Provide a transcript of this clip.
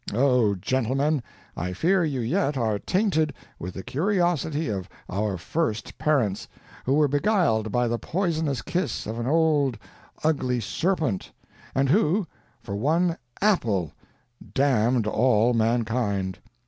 Oh, gentlemen, I fear you yet are tainted with the curiosity of our first parents, who were beguiled by the poisonous kiss of an old ugly serpent, and who, for one apple, damned all mankind.